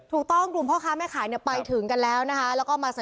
ถูกต้องกลุ่มพ่อค้าแม่ขายเนี่ยไปถึงกันแล้วนะคะ